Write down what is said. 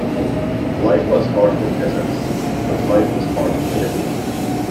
Life was hard for peasants, but life was hard for everyone.